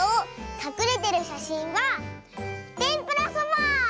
かくれてるしゃしんはてんぷらそば！